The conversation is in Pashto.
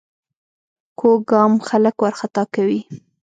کوږ ګام خلک وارخطا کوي